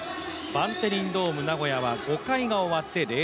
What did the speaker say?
バンテリンドームナゴヤは５回が終わって０−０。